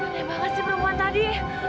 boleh banget sih perempuan tadi